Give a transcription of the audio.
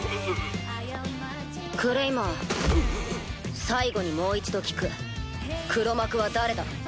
クレイマン最後にもう一度聞く黒幕は誰だ？